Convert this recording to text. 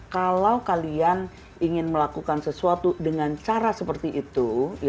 kalau kalian ingin melakukan sesuatu dengan cara seperti itu